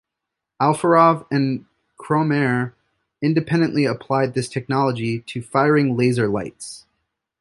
Alferov and Kroemer independently applied this technology to firing laser lights.